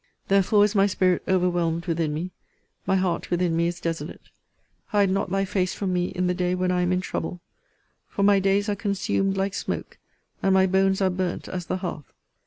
Therefore is my spirit overwhelmed within me. My heart within me is desolate. Hide not thy face from me in the day when I am in trouble. For my days are consumed like smoke: and my bones are burnt as the hearth.